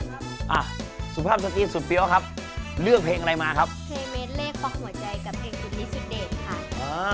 เพลงเมดเลขแบบหัวใจกับเพลงจุดนี้สุดเด่น